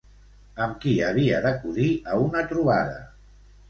Amb qui havia d'acudir a una trobada?